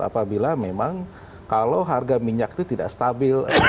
apabila memang kalau harga minyak itu tidak stabil